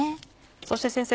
そして先生